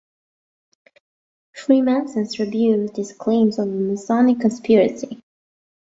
Freemasons rebut these claims of a Masonic conspiracy.